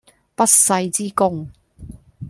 不世之功